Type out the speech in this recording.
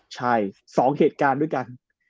ใช่๒เหตุการณ์ด้วยกัน